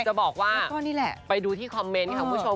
คือจะบอกว่าไปดูที่คอมเมนต์ค่ะคุณผู้ชม